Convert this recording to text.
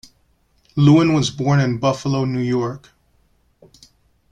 Lewin was born in Buffalo, New York.